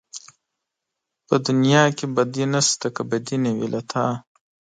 په دنيا کې بدي نشته که بدي نه وي له تا